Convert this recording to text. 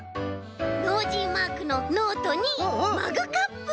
ノージーマークのノートにマグカップ！